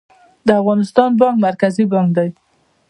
د افغانستان بانک مرکزي بانک دی